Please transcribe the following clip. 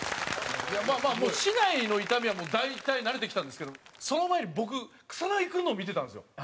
まあまあ竹刀の痛みは大体慣れてきたんですけどその前に僕草薙君のを見てたんですよ。